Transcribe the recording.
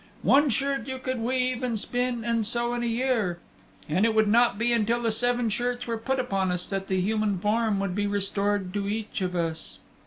One shirt you could weave and spin and sew in a year. And it would not be until the seven shirts were put upon us that the human form would be restored to each of us."